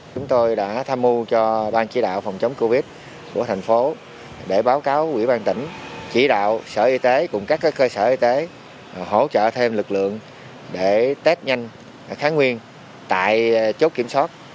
chúng tôi đã tham mưu cho ban chỉ đạo phòng chống covid của thành phố để báo cáo quỹ ban tỉnh chỉ đạo sở y tế cùng các cơ sở y tế hỗ trợ thêm lực lượng để test nhanh kháng nguyên tại chốt kiểm soát